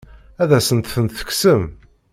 Ad asen-tent-tekksem?